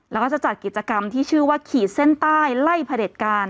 แล้วก็จะจัดกิจกรรมที่ชื่อว่าขีดเส้นใต้ไล่พระเด็จการ